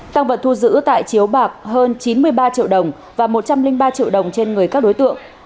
tăng vật thu giữ tại chiếu bạc hơn chín mươi ba triệu đồng và một trăm linh ba triệu đồng trên người các đối tượng